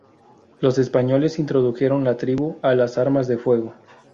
Los españoles introdujeron la tribu a las armas de fuego.